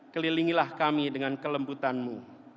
kelilingilah kami dengan kelembutan mu